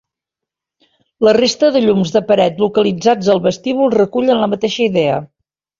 La resta de llums de paret localitzades al vestíbul recullen la mateixa idea.